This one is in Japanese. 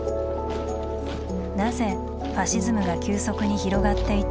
なぜファシズムが急速に広がっていったのか。